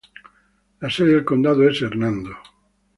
La sede del condado es Hernando.